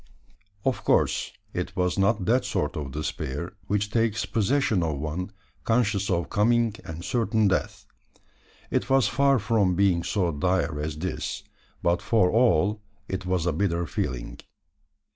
Of course, it was not that sort of despair which takes possession of one conscious of coming and certain death. It was far from being so dire as this; but for all it was a bitter feeling.